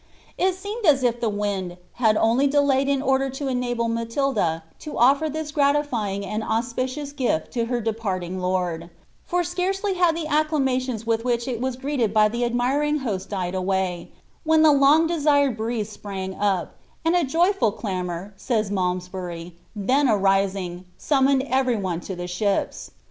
It seemed as if the vind had only delayed in order to enable Matilda to offer this gratifying nd auspicious gift to her departing lord ; for scarcely had the acclama tions with which it was greeted by the admiring host died away, when the long desired breeze sprang up, ^ and a joyful clamour,'^ says Malms bury, ^ then arising, summoned every one to the ships.''